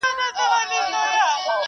هم يې وچیچل اوزگړي او پسونه٫